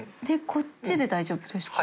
こっちで大丈夫ですか？